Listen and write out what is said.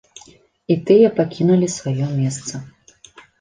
І тыя пакінулі сваё месца.